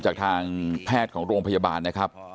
จากทางแพทย์ของโรงพยาบาลนะครับ